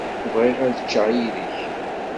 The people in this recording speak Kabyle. Bɣiɣ ad ččeɣ yid-k.